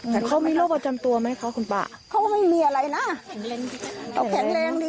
เขามีโรคประจำตัวไหมครับคุณป้าเขาก็ไม่มีอะไรน่ะเอาแข็งแรงดี